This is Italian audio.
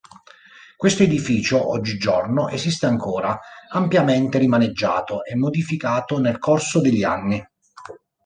Questo edificio oggigiorno esiste ancora, ampiamente rimaneggiato e modificato nel corso degli anni.